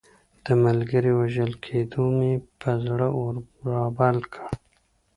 د ملګري وژل کېدو مې پر زړه اور رابل کړ.